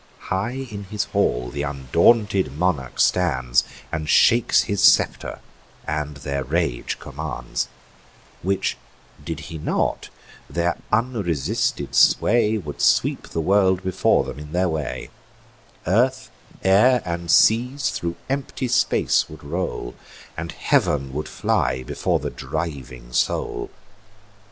High in his hall th' undaunted monarch stands, And shakes his scepter, and their rage commands; Which did he not, their unresisted sway Would sweep the world before them in their way; Earth, air, and seas thro' empty space would roll, And heav'n would fly before the driving soul.